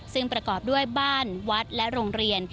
ซึ่งประกอบด้วยบ้านวัดและโรงเรียน